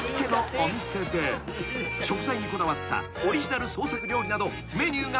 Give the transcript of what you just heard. ［食材にこだわったオリジナル創作料理などメニューが豊富。